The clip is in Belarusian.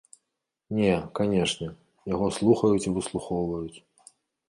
Не, канешне, яго слухаюць і выслухоўваюць.